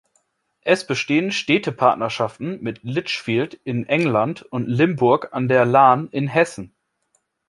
Es bestehen Städtepartnerschaften mit Lichfield in England und Limburg an der Lahn in Hessen.